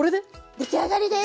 出来上がりです！